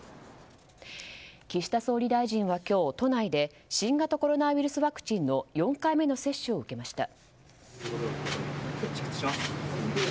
岸田総理大臣は今日、都内で新型コロナウイルスワクチンの４回目の接種を受けました。